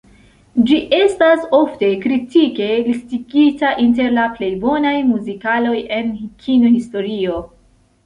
Ĝi estas ofte kritike listigita inter la plej bonaj muzikaloj en kino-historio.